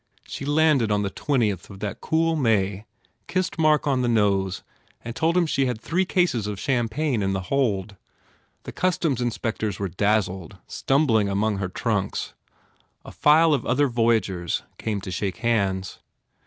She landed on the twentieth of that cool May, kissed Mark on the nose and told him she had three cases of champagne in the hold. The customs inspec 151 THE FAIR REWARDS tors were dazzled stumbling among her trunks. A file of other voyagers came to shake hands.